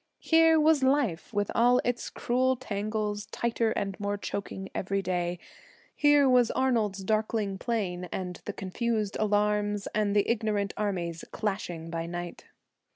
Here was Life, with all its cruel tangles, tighter and more choking every day. Here was Arnold's darkling plain, and the confused alarms and the ignorant armies clashing by night.